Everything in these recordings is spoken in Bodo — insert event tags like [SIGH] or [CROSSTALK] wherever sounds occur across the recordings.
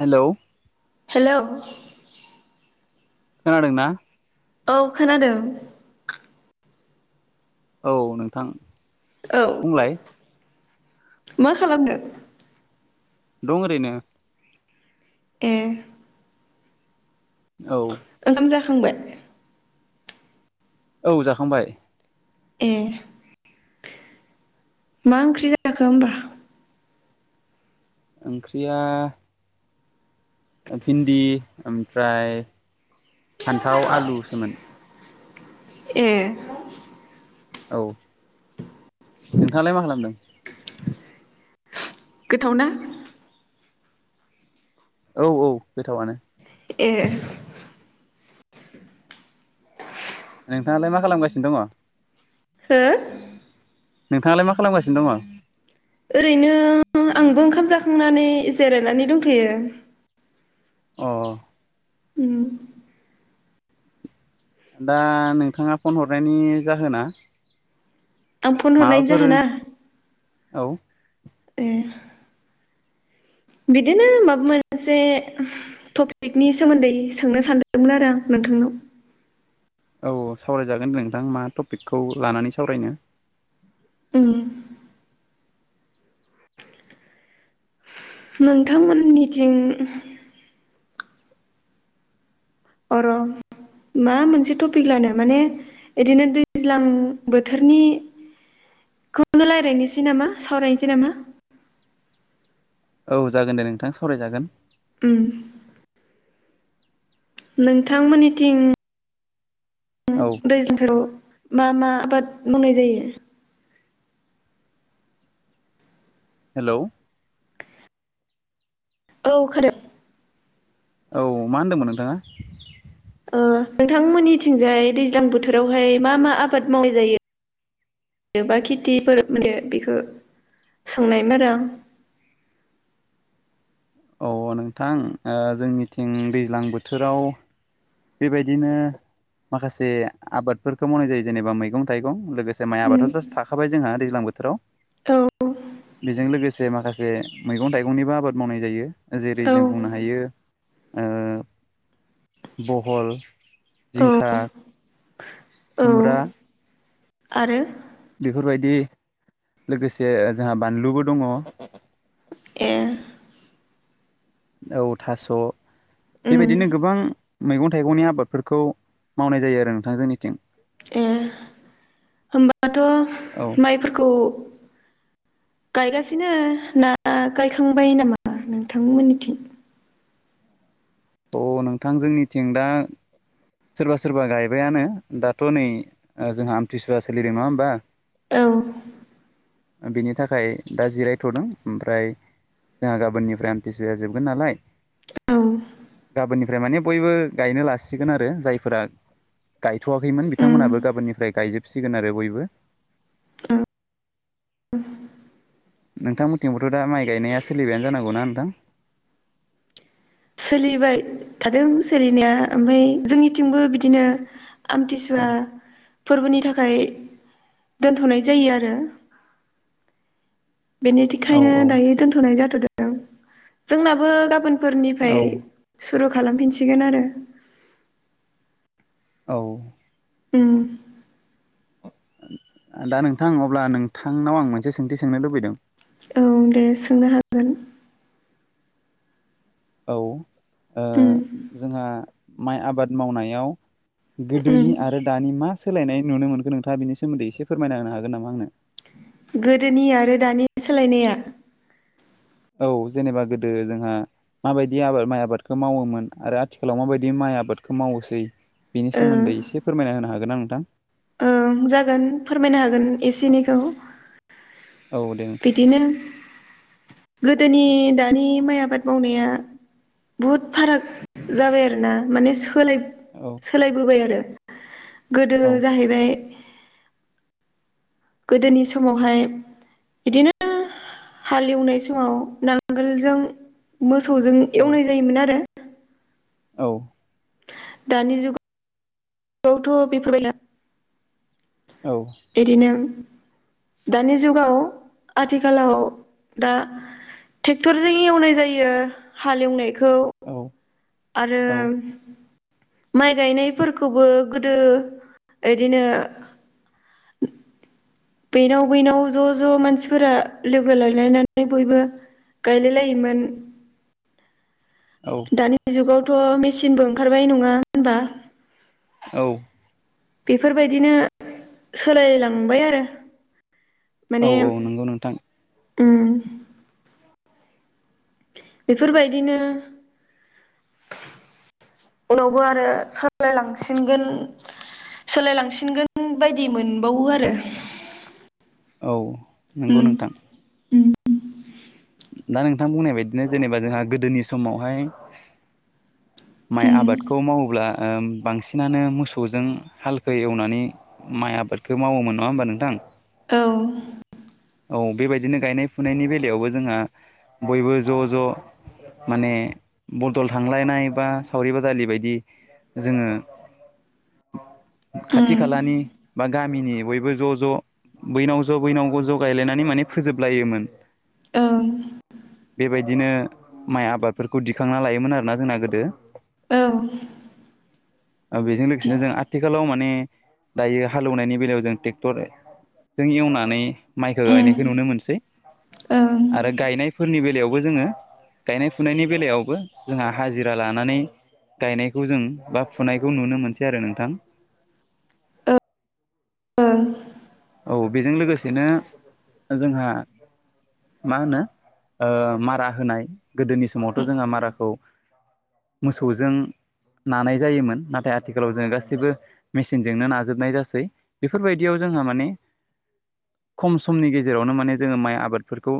हेलौ हेलौ खोनादों ना औ खोनादों औ नोंथां औ बुंलाय मा खालामनो दं ओरैनो ए औ ओंखाम जाखांबाय औ जाखांबाय ए मा ओंख्रि जाखो होमबा ओंख्रिया भिन्दि ओमफ्राय फान्थाव आलुसोमोन ए औ नोंथाङालाय मा खालामदों गोथावना औ औ गोथावानो ए नोंथाङालाय मा खालामगासिनो दङ हो नोंथाङालाय मा खालामगासिनो दङ ओरैनो आंबो ओंखाम जाखांनानै जिरायनानै दंथ'यो अ उम दा नोंथाङा फन हरनायनि जाहोना आं फन हरनायनि माबाफोर जाहोना औ ए बिदिनो माबा मोनसे टपिकनि सोमोन्दै सोंनो सानदोंमोन आरो आं नोंथांनाव औ सावरायजागोन दे नोंथां मा टपिकखौ लानानै सावरायनो ओं नोंथांमोननिथिं अर'न मा मोनसे टपिक लानो माने इदिनो दैज्लां बोथोरनि खौनो रायज्लायनोसै नामा सावरायनोसै नामा औ जागोन दे नोंथां सावरायजागोन ओम नोंथांमोननिथिं औ दैज्लां बोथोराव मा मा आबाद मावनाय जायो हेल' औ खोनादों औ मा होन्दोंमोन नोंथाङा ओ नोंथांमोननिथिंजाय दैज्लां बोथोरावहाय मा मा आबाद मावनाय जायो जेन'बा खेथिफोर माने बेखौ सोंनायमोन आरो आं अ नोंथां जोंनिथिं दैज्लां बोथोराव बेबायदिनो माखासे आबादफोरखौ मावनाय जायो जेनेबा मैगं थाइगं लोगोसे माइ आबादाथ' थाखाबाय जोंहा दैज्लां बोथोराव आरो आं उम औ बेजों लो गोसे माखासे मैगं थाइगंनिबो आबाद मावनाय जायो जेरै औ जों बुंनो हायो ओ बहल औ जिंखा औ खुमब्रा आरो बेफोरबायदि लोगोसे ओ जोंहा बानलुबो दङ ए औ थास' उम बेबायदिनो गोबां मैगं थाइगंनि आबादफोरखौ मावनाय जायो आरो नोंथां जोंनिथिं ए औ होमबाथ' माइफोरखौ गायगासिनो ना गायखांबाय नामा नोंथांमोननिथिं? अ' नोंथां जोंनिथिं दा सोरबा सोरबा गायबायानो दाथ' नै जोंहा आमथिसुवा सोलिदों नङा होमबा? औ बिनि थाखाय दा जिरायथ'दों ओमफ्राय जोंहा गाबोननिफ्राय आमथिसुआ जोबगोन नालाय औ गाबोननिफ्राय माने बयबो गायनो लासिगोन आरो जायफोरा गायथ'वाखैमोन उम बिथांमोनाबो गाबोननिफ्राय गायजोबसिगोन आरो बयबो औ नोंथांमोनथिंबावथ' दा माइ गायनाया सोलिबायानो जानांगौ ना नोंथां? सोलिबाय थादों सोलिनाया ओमफ्राय जोंनिथिंबो बिदिनो औ आमथिसुवा फोरबोनि थाखाय दोनथ'नाय जायो आरो औ बेनिखायनो दायो दोनथ'नाय जाथ'दों जोंनाबो औ गाबोनफोरनिफ्राय सुरु खालामफिनसिगोन आरो औ उम दा नोंथां अब्ला नोंथांनाव आं मोनसे सोंथि सोंनो लुबैदों औ दे सोंनो हागोन औ उम जोंहा माइ आबाद मावनायाव उम गोदोनि आरो दानि मा सोलायनाय नुनो मोनखो नोंथाङा बिनि सोमोन्दै एसे फोरमायना होनो हागोन नामा आंनो? गोदोनि आरो दानि सोलायनाया? औ जेनेबा गोदो जोंहा माबायदि आबाद माइ आबादखौ मावोमोन आरो आथिखालाव माबायदि माइ आबादखौ मावोसै बिनि ओ सोमोन्दै एसे फोरमायना होनो हागोन ना नोंथां? ओं जागोन फोरमायनो हागोन एसे एनैखौ औ दे नोंथां बिदिनो गोदोनि दानि माइ आबाद मावनाया बुहुत फाराग जाबाय आरो ना माने सो सोलाय औ सोलायबोबाय आरो गोदो औ जाहैबाय गोदोनि समावहाय बिदिनो हाल एवनाय समाव नांगोलजों मोसौजों औ एवनाय जायोमोन आरो औ दानि जुगा आवथ' बेफोरबा औ बेनो दानि जुगाव आथिखालाव दा ट्रेक्टरजों एवनाय जायो हाल एवनायखौ औ आरो माइ गायनायफोरखौबो गोदो इदिनो [UNINTELLIGIBLE] बेनाव बैनाव ज' ज' मानसिफोरा लोगो लायलायनानै बयबो गायलायलायोमोन औ दानि जुगावथ' मेचिनबो ओंखारबाय नङा होनबा? औ बेफोरबायदिनो सोलायलांबाय आरो औ माने औ नंगौ नोंथां उम बेफोरबायदिनो उनावबो आरो साफ्लायलांसिनगोन सोलायलांसिनगोन बायदि मोनबावो आरो औ नोंगौ उम नोंथां उम दा नोंथां बुंनाय बायदिनो जेनेबा जोंहा गोदोनि समावहाय माइ उम आबादखौ मावोब्ला ओम बांसिनानो मोसौजों हालखो एवनानै माइ आबादखौ मावोमोन नङा होनोमबा नोंथां। औ औ बेबायदिनो गायनाय फुनायनि बेलायावबो जोंहा बयबो ज' ज' माने बदल थांलायनाय बा सावरि बादालि बायदि जोङो खाथि उम खालानि बा गामिनि बयबो ज' ज' बैनाव ज' बैनाव ज' ज' गायलायनानै माने फोजोबलायोमोन। औ बेबायदिनो माइ आबादफोरखौ दिखांना लायोमोन आरोना जोंना गोदो। औ बेजों दि लोगोसेनो जों आ आथिखालाव माने दायो हालेवनायनि बेलायाव जों ट्रेक्टरजों एवनानै माइखौ उम गायनायखौ नुनो मोनसै। ओं आरो गायनायफोरनि बेलायावबो जोङो गायनाय फुनायनि बेलायावबो जोंहा हाजिरा लानानै गायनायखौ जों बा फुनायखौ नुनो मोनसै आरो नोंथां। ओं औ बेजों लोगोसेनो जोंहा मा होनो ओ मारा होनाय गोदोनि समावथ' जोंहा माराखौ मोसौजों नानाय जायोमोन नाथाय आथिखालाव जोङ गासैबो मेसिनजोंनो नाजोबनाय जासै बेफोरबायदियाव जोंहा माने खम समनि गेजेरावनो माने जोङो माइ आबादफोरखौ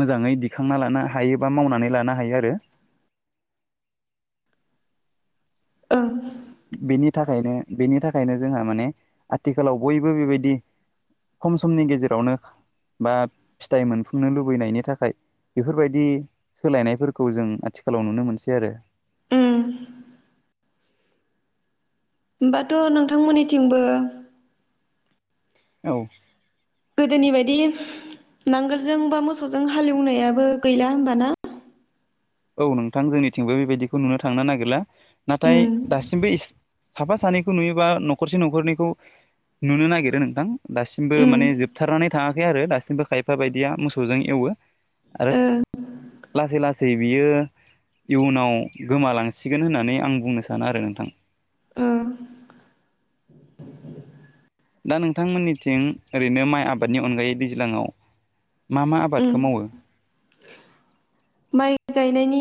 मोजाङै दिखांना लानो हायो बा मावनानै लानो हायो आरो ओं बेनि थाखायनो बेनि थाखायनो जोंहा माने आथिखालाव बयबो बेबायदि खम समनि गेजेरावनो बा फिथाइ मोनफुनो लुबैनायनि थाखाय बेफोरबायदि सोलायनायफोरखौ जों आथिखालाव नुनो मोनसै आरो उम होमबाथ' नोंथांमोननिथिंबो औ गोदोनि बायदि नांगोलजों बा मोसौजों हालेवनायाबो गैला होनबा ना। औ नोंथां जोंनिथिंबो बेबायदिखौ नुनो थांनो नागिरला नाथाय उम दासिमबो इ साफा सानैखौ नुयोबा न'खरसे न'खरनैखौ नुनो नागिरो नोंथां। दासिमबो उम माने जोबथारनानै थाङाखै आरो दासिमबो खायफा फाबायदिया मोसौजों एवो आरो ओ लासै लासै बियो इयुनाव गोमालांसिगोन होननानै आं बुंनो सानो आरो नोंथां। ओ दा नोंथांमोननिथिं ओरैनो माइ आबादनि अनगायै दैज्लाङाव मा मा उम आबादखौ मावो? माइ गायनायनि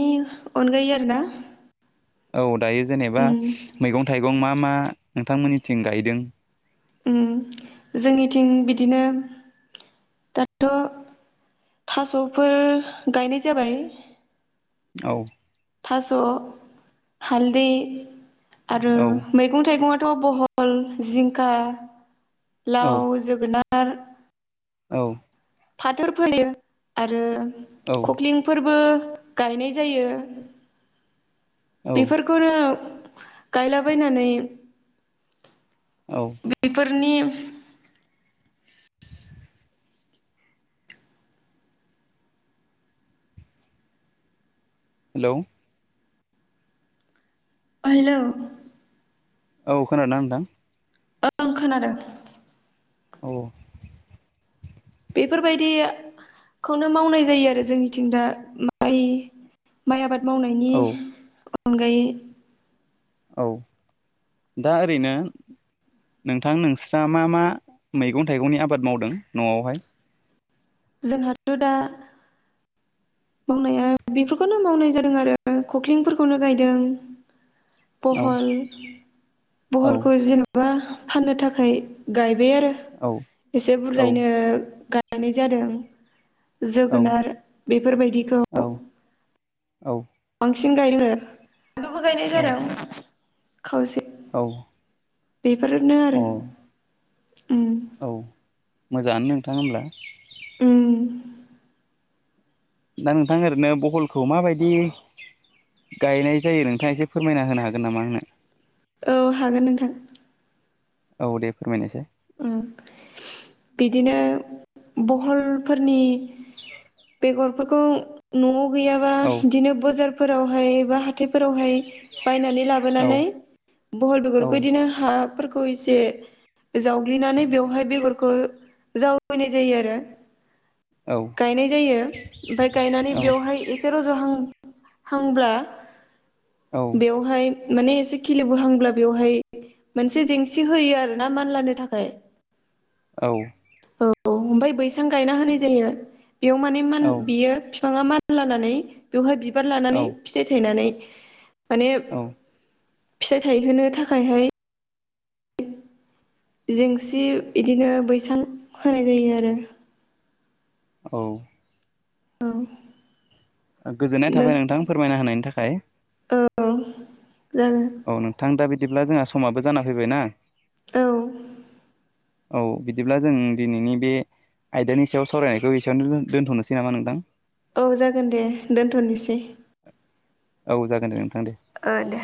अनगायै आरो ना। औ दायो जेनेबा मैगं थाइगं मा मा नोंथांमोननिथिं गायदों। उम जोंनिथिं बिदिनो दाथ' थास'फोर गायनाय जाबाय। औ। थास' हालदै आरो औ बे मैगं थाइगङाथ' बहल, जिंखा, औ लाव, जोगोनार आ औ फाथोर फोयो आरो औ खखलिंफोरबो गायनाय जायो। औ बेफोरखौनो गायलाबायनानै औ बेफोरनि हेलौ। ओ हेलौ। औ खोनादोंना नोंथां? ओं खोनादों। औ। [INAUDIBLE] बेफोरबायदिखौनो मावनाय जायो आरो जोंनिथिं दा माइ माइ आबाद मावनायनि औ अनगायै। औ [INAUDIBLE] दा ओरैनो नोंथां नोंस्रा मा मा मैगं थाइगंनि आबाद मावदों न'आवहाय? जोंहाथ' दा मावनाया बेफोरखौनो मावनाय जादों आरो खखलिंफोरखौनो गायदों। औ बहल औ बहलखौ जेनेबा फाननो थाखाय गायबाय आरो। औ एसे औ बुरजायनो गायनाय जादों औ जोगोनार बायदिखौ। औ औ। बांसिन गायलोङो आबो गायनाय जादों खावसे। औ। बेफोरनो आरो [INAUDIBLE] उम। औ मोजाङानो नोंथां होमब्ला। उम। दा नोंथां ओरैनो बहलखौ माबायदि गायनाय जायो नोंथाङा एसे फोरमायना होनो हागोन नामा आंनो? औ हागोन नोंथां। औ दे फोरमायनोसै। उम। बिदिनो बहलफोरनि बेगरफोरखौ न'आव गैयाबा औ बिदिनो बजारफोरावहाय बा हाथ हाथाइफोरावहाय बायनानै औ लाबोनानै बहल औ बेगरखौ इदिनो हाफोरखौ एसे जावग्लिनानै बेवहाय बेगरखौ जावैनाय जायो आरो। औ गायनाय जायो ओमफाय गायनानै औ बेवहाय एसे रज'हां हांब्ला औ बेवहाय माने एसे खिलिबोहांब्ला बेवहाय मोनसे जेंसि होयो आरोना मान लानो थाखाय। औ। औ ओमफफ्राय बैसां गायना होनाय जायो। बेयाव माने म औ बियो बिफाङा मान लानानै बेवहाय बिबार लानानै फिथाइ थायनानै माने औ। फिथाइ थायहोनो थाखायहाय जेंसि बिदिनो बैसां होनाय जायो आरो। औ। औ गोजोननाय नों थाबाय नोंथां फोरमायना होनायनि थाखाय औ जागोन औ नोंथां दा बिदिब्ला जोंहा समाबो जाना फैबाय ना औ। औ बिदिब्ला जों दिनैनि बे आयदानि सायाव सावरायनायखौ एसेयावनो दोनथ'नोसै नामा नोंथां? औ जागोन दे दोनथ'नोसै। औ जागोन दे नोंथां दे ओ दे